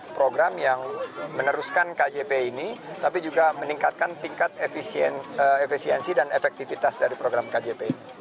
program yang meneruskan kjp ini tapi juga meningkatkan tingkat efisiensi dan efektivitas dari program kjp